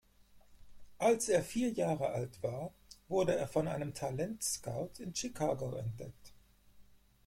Als er vier Jahre alt war, wurde er von einem Talentscout in Chicago entdeckt.